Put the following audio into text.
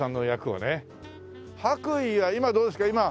白衣は今どうですか？